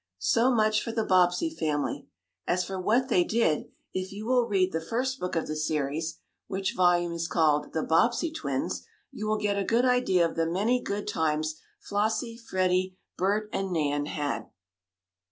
So much for the Bobbsey family. As for what they did, if you will read the first book of the series, which volume is called "The Bobbsey Twins," you will get a good idea of the many good times Flossie, Freddie, Bert and Nan had.